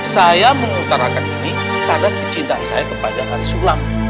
saya mengutarakan ini karena kecintaan saya kepada haji sulam